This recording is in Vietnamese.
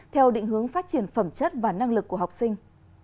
theo định hướng phát triển phẩm chất và năng lực của học sinh